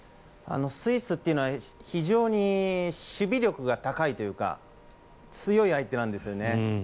スイスというのは非常に守備力が高いというか強い相手なんですよね。